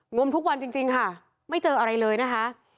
มทุกวันจริงค่ะไม่เจออะไรเลยนะคะ